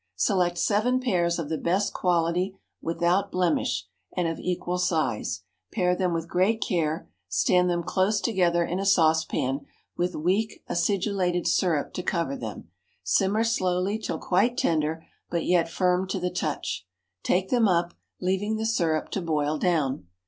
_ Select seven pears of the best quality, without blemish, and of equal size; pare them with great care; stand them close together in a saucepan, with weak acidulated syrup to cover them; simmer slowly till quite tender, but yet firm to the touch; take them up, leaving the syrup to boil down.